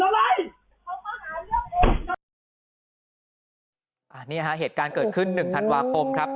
มีคนรอดกว่า